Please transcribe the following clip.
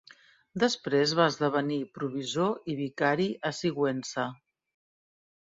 Després va esdevenir provisor i vicari a Sigüenza.